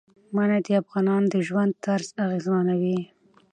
منی د افغانانو د ژوند طرز اغېزمنوي.